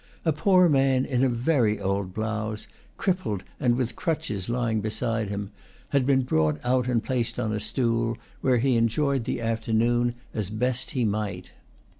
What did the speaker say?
A poor man in a very old blouse, crippled and with crutches lying beside him, had been brought out and placed on a stool, where he enjoyed the afternoon as best he might.